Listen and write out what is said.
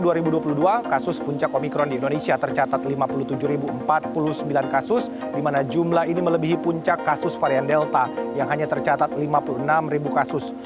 di tahun dua ribu dua puluh dua kasus puncak omikron di indonesia tercatat lima puluh tujuh empat puluh sembilan kasus di mana jumlah ini melebihi puncak kasus varian delta yang hanya tercatat lima puluh enam kasus